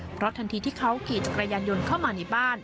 เพราะทันทีที่เขาขี่จักรยานยนต์เข้ามาในบ้าน